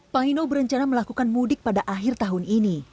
panino berencana melakukan mudik pada akhir tahun ini